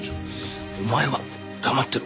お前は黙ってろ。